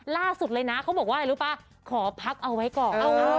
ล่าสุดเลยนะเขาบอกว่าอะไรรู้ป่ะขอพักเอาไว้ก่อน